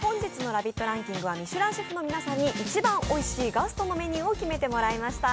ランキングはミシュランシェフの皆さんに一番おいしいガストのメニューを決めてもらいました。